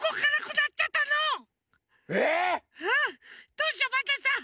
どうしようパンタンさん！